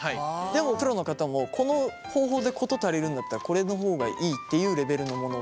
でもプロの方もこの方法で事足りるんだったらこれの方がいいっていうレベルのもの？